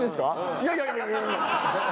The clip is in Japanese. いやいやいやいや！